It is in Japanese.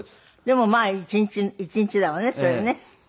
でもまあ１日だわねそれね。